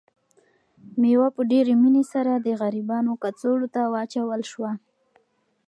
مېوه په ډېرې مینې سره د غریبانو کڅوړو ته واچول شوه.